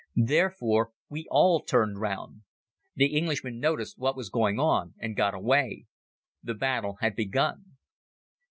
Therefore we all turned round. The Englishman noticed what was going on and got away. The battle had begun.